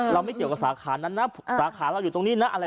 ไม่เกี่ยวกับสาขานั้นนะสาขาเราอยู่ตรงนี้นะอะไร